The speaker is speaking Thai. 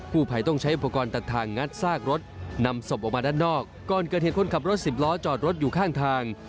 ผู้ภัยต้องใช้อุปกรณ์ตัดทางงัดซากรถนำศพออกมาด้านนอกก่อนเกิดเหตุคนขับรถสิบล้อจอดรถอยู่ข้างทาง